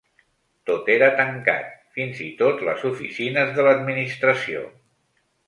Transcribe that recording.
Tot era tancat, fins i tot les oficines de l’administració.